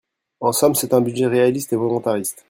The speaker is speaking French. En somme, c’est un budget réaliste et volontariste